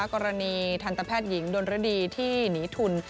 กรณีทันตแพทย์หญิงดนรดีที่หนีทุน